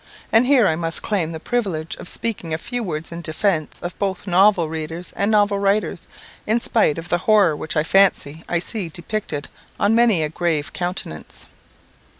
And here I must claim the privilege of speaking a few words in defence of both novel readers and novel writers, in spite of the horror which I fancy I see depicted on many a grave countenance.